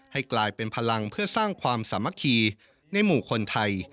ให้กลายเป็นพลังเพื่อสร้างความสามัคคีในหมู่คนไทย